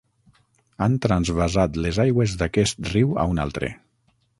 Han transvasat les aigües d'aquest riu a un altre.